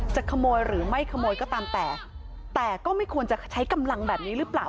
จะขโมยหรือไม่ขโมยก็ตามแต่แต่ก็ไม่ควรจะใช้กำลังแบบนี้หรือเปล่า